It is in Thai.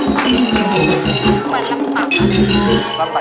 ขอเจออัพพยาบาล